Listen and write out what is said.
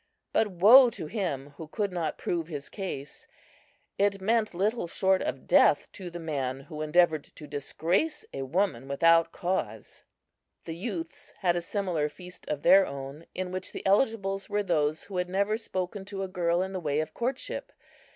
But woe to him who could not prove his case. It meant little short of death to the man who endeavored to disgrace a woman without cause. The youths had a similar feast of their own, in which the eligibles were those who had never spoken to a girl in the way of courtship.